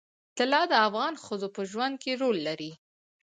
طلا د افغان ښځو په ژوند کې رول لري.